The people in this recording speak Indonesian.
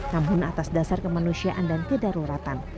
namun atas dasar kemanusiaan dan kedaruratan